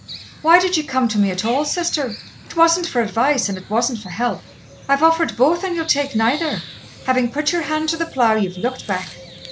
"Why did ye come to me at all, Sister? It wasn't for advice, and it wasn't for help. I've offered both, and ye'll take neither. Having put your hand to the plough, you've looked back.